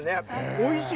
おいしい。